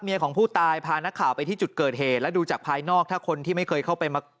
ของผู้ตายพานักข่าวไปที่จุดเกิดเหตุและดูจากภายนอกถ้าคนที่ไม่เคยเข้าไปมา